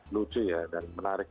lucu ya dan menarik